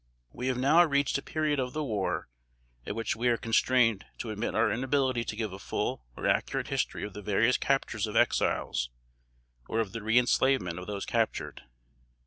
We have now reached a period of the war at which we are constrained to admit our inability to give a full or accurate history of the various captures of Exiles, or of the reënslavement of those captured.